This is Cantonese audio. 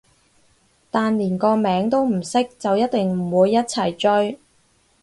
但連個名都唔識就一定唔會一齊追